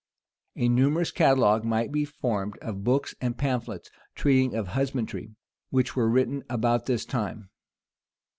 A numerous catalogue might be formed of books and pamphlets treating of husbandry, which were written about this time.